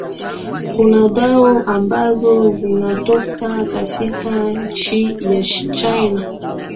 kuna dawa ambazo zinatoka katika nchi ya china